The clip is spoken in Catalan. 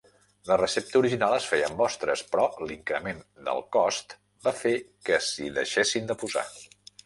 La recepta original es feia amb ostres, però l'increment del cost va fer que s'hi deixessin de posar.